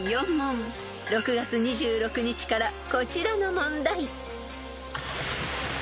［６月２６日からこちらの問題］